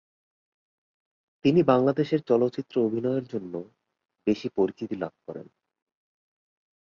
তিনি বাংলাদেশের চলচ্চিত্রে অভিনয়ের জন্য বেশি পরিচিতি লাভ করেন।